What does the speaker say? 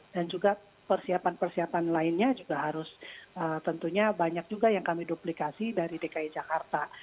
dan juga persiapan persiapan lainnya juga harus tentunya banyak juga yang kami duplikasi dari dki jakarta